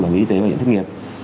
bảo hiểm y tế bảo hiểm thức nghiệp